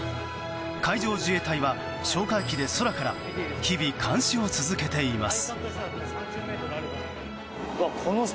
海上自衛隊は哨戒機で空から日々監視を続けています。